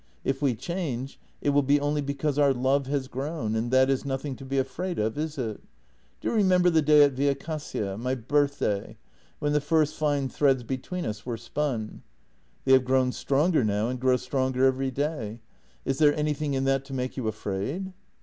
If we change, it will be only be cause our love has grown, and that is nothing to be afraid of, is it? Do you remember the day at Via Cassia — my birthday — when the first fine threads between us were spun ? They have grown stronger now, and grow stronger every day. Is there anything in that to make you afraid?